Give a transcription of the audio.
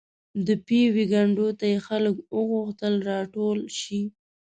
د پېوې کنډو ته یې خلک وغوښتل راټول شي.